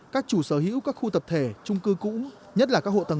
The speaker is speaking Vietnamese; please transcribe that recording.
các chủ sở hữu các khu tập thể trung cư cũ nhất là các hộ tầng